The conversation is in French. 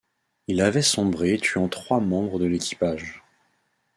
Il avait sombré tuant trois membres de l'équipage.